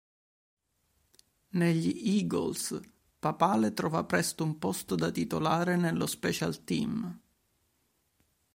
Negli Eagles Papale trova presto un posto da titolare nello "Special Team".